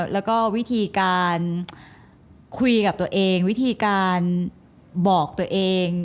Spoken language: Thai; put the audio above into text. แล้วก็วิธีการคุยกับตัวเองวิธีการบอกตัวเอง